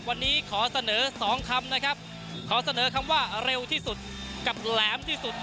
วันนี้ขอเสนอสองคำนะครับขอเสนอคำว่าเร็วที่สุดกับแหลมที่สุด